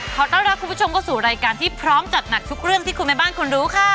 ขอต้อนรับคุณผู้ชมเข้าสู่รายการที่พร้อมจัดหนักทุกเรื่องที่คุณแม่บ้านคุณรู้ค่ะ